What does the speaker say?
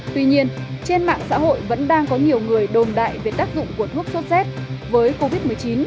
tuy nhiên trên mạng xã hội vẫn đang có nhiều người đồn đại về tác dụng của thuốc sốt z với covid một mươi chín